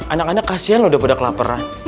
anak anak kasihan lo udah pada kelaparan